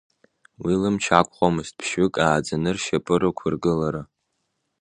Уи лымч ақәхомызт ԥшьҩык ааӡаны ршьапы рықәыргылара…